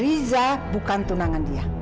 riza bukan tunangan dia